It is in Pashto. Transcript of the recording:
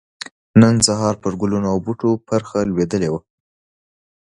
نن سحار پر ګلو او بوټو پرخه لوېدلې وه